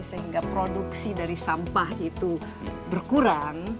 sehingga produksi dari sampah itu berkurang